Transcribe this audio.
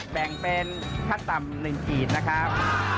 แบ่งเป็นค่าต่ำ๑กิตนะครับ